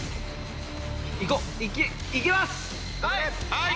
はい！